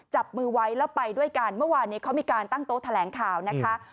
จับมือไว้แล้วไปด้วยกันเมื่อวานนี้เขามีการตั้งโต๊ะแถลงข่าวนะคะ